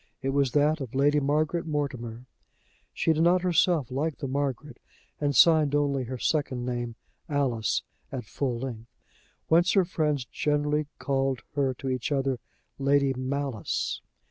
It was that of Lady Margaret Mortimer; she did not herself like the Margaret, and signed only her second name Alice at full length, whence her friends generally called her to each other Lady Malice.